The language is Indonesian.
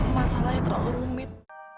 masalahnya terlalu rumit